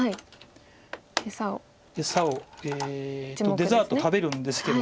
デザート食べるんですけど。